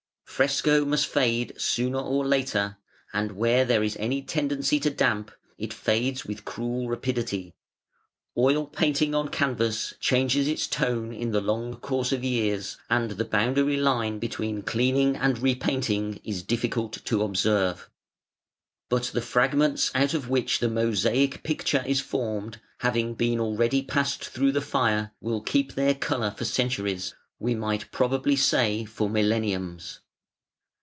Fresco must fade sooner or later, and where there is any tendency to damp, it fades with cruel rapidity. Oil painting on canvas changes its tone in the long course of years, and the boundary line between cleaning and repainting is difficult to observe. But the fragments out of which the mosaic picture is formed, having been already passed through the fire, will keep their colour for centuries, we might probably say for millenniums.